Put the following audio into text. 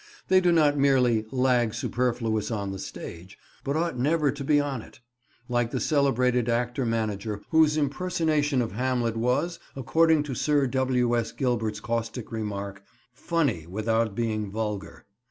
They do not merely "lag superfluous on the stage," but ought never to be on it; like the celebrated actor manager whose impersonation of Hamlet was, according to Sir W. S. Gilbert's caustic remark, "funny without being vulgar."